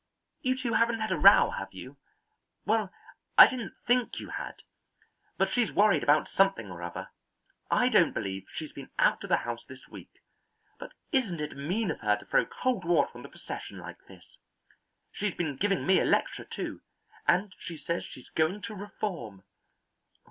You two haven't had a row, have you? Well, I didn't think you had. But she's worried about something or other. I don't believe she's been out of the house this week. But isn't it mean of her to throw cold water on the procession like this? She's been giving me a lecture, too, and says she's going to reform."